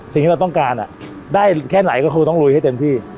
สิ่งที่เราต้องการได้แค่ไหนก็คงต้องลุยให้เต็มที่